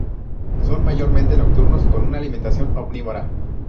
Son mayormente nocturnos, con una alimentación omnívora.